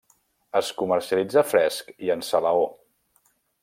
Es comercialitza fresc i en salaó.